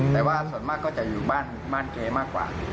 แต่ว่าส่วนมากก็จะอยู่บ้านเกมากกว่า